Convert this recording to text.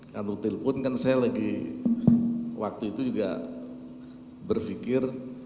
kalau telpon kan saya lagi waktu itu juga berpikir